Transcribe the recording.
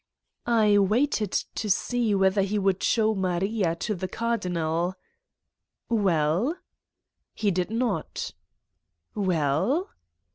"I waited to see whether he would show Maria to the cardinal ?" "Well?" "He did not!" "Well?"